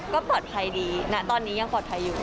ก็ปลอดภัยดีณตอนนี้ยังปลอดภัยอยู่